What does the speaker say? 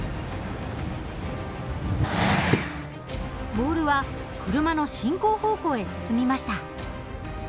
ボールは車の進行方向へ進みました。